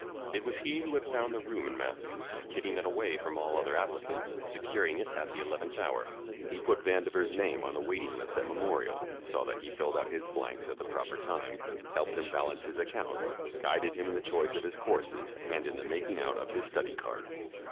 It was he who had found the room in Matthew's, getting it away from all other applicants, securing it at the eleventh hour. He put Vandover's name on the waiting list at Memorial, saw that he filled out his blanks at the proper time, helped him balance his accounts, guided him in the choice of his courses and in the making out of his study card.